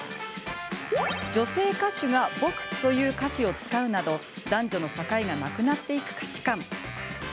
女性歌手が「僕」という歌詞を使うなど男女の境がなくなっていく価値観。